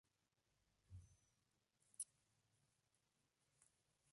En el Top Race resultó subcampeón aunque sin victorias.